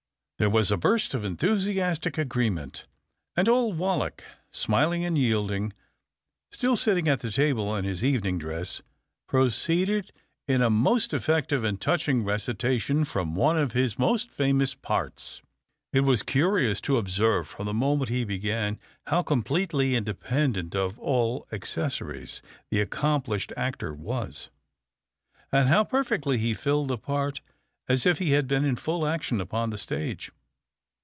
'" There was a burst of enthusiastic agreement, and old Wallack, smiling and yielding, still sitting at the table in his evening dress, proceeded in a most effective and touching recitation from one of his most famous parts. It was curious to observe from the moment he began how completely independent of all accessories the accomplished actor was, and how perfectly he filled the part as if he had been in full action upon the stage.